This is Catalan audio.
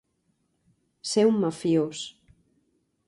Ser un mafiós.